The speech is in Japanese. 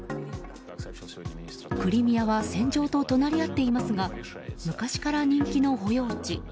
クリミアは戦場と隣り合っていますが昔から人気の保養地。